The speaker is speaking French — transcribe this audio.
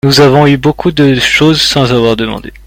nous avons eu beaucoup de choses sans avoir demandé.